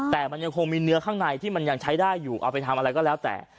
แต่มันยังคงมีเนื้อข้างในที่มันยังใช้ได้อยู่เอาไปทำอะไรก็แล้วแต่